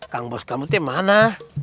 kang bos kamu itu mana